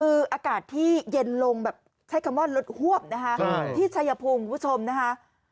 คืออากาศที่เย็นลงแบบใช้คำว่าลดหวบนะคะที่ชายภูมิคุณผู้ชมนะคะ